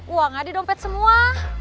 uangnya di dompet semua